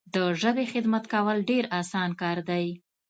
د ژبي خدمت کول ډیر اسانه کار دی.